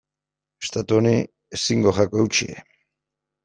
Estatu honi ezingo zaio eutsi.